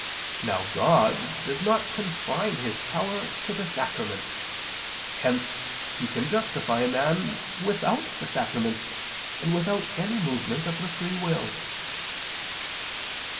Now God does not confine His power to the sacraments. Hence He can justify a man without the sacraments, and without any movement of the free will.